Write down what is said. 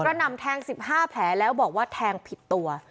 หนำแทง๑๕แผลแล้วบอกว่าแทงผิดตัว